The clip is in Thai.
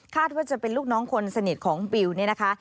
ว่าจะเป็นลูกน้องคนสนิทของบิวนี่นะคะ